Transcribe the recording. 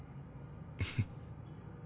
フッ。